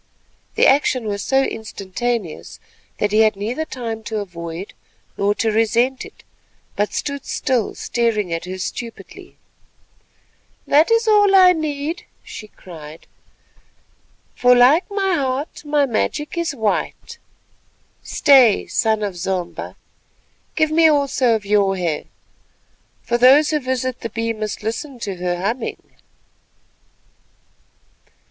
The action was so instantaneous that he had neither time to avoid nor to resent it, but stood still staring at her stupidly. "That is all I need," she cried, "for like my heart my magic is white. Stay—son of Zomba, give me also of your hair, for those who visit the Bee must listen to her humming."